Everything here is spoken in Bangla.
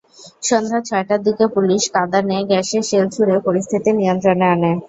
সন্ধ্যা ছয়টার দিকে পুলিশ কাঁদানে গ্যাসের শেল ছুড়ে পরিস্থিতি নিয়ন্ত্রণে আনে।